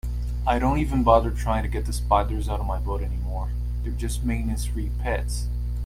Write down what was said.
I don't even bother trying to get spiders out of my boat anymore, they're just maintenance-free pets.